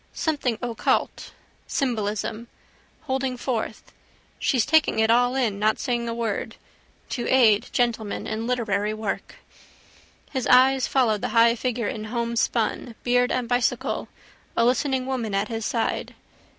Something occult: symbolism. Holding forth. She's taking it all in. Not saying a word. To aid gentleman in literary work. His eyes followed the high figure in homespun, beard and bicycle, a listening woman at his side.